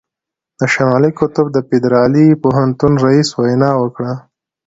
د شمالي قطب د فدرالي پوهنتون رييس وینا وکړه.